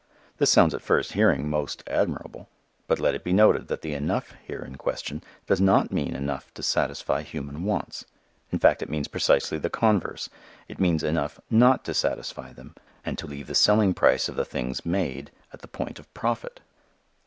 This sounds at first hearing most admirable. But let it be noted that the "enough" here in question does not mean enough to satisfy human wants. In fact it means precisely the converse. It means enough not to satisfy them, and to leave the selling price of the things made at the point of profit.